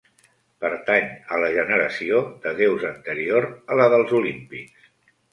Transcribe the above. Pertany a la generació de déus anterior a la dels Olímpics.